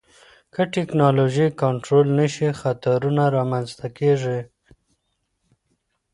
که ټکنالوژي کنټرول نشي، خطرونه رامنځته کېږي.